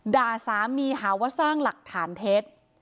ด่าสามีหาว่าสร้างหลักฐานเท็จ